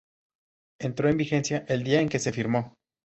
Entró en vigencia el día en que se firmó.